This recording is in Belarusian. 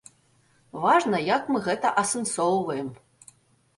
Важна, як мы гэта асэнсоўваем.